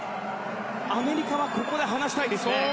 アメリカはここで離したいですね。